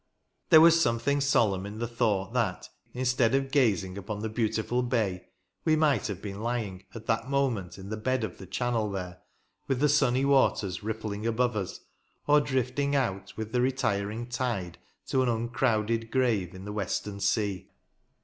There was something solemn in the thought that, instead of gazing upon the beautiful bay, we might have been lying at that moment in the bed of the channel there, with the sunny waters rippling above us, or drifting out with the retiring tide to an uncrowded grave in the western sea.